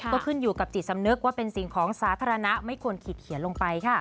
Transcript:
ก็ขึ้นอยู่กับจิตสำนึกว่าเป็นสิ่งของสาธารณะไม่ควรขีดเขียนลงไป